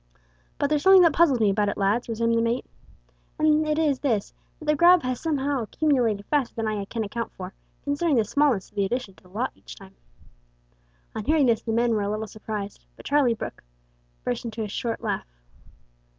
"But there's something that puzzles me about it, lads," resumed the mate, "and it is this, that the grub has somehow accumulated faster than I can account for, considering the smallness o' the addition to the lot each time." On hearing this the men were a little surprised, but Charlie Brooke burst into a short laugh.